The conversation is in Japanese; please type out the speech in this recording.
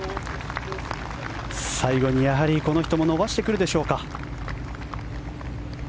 最後にやはりこの人も伸ばしてくるでしょうか。